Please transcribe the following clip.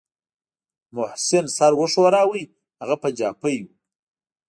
محسن سر وښوراوه هغه پنجابى و.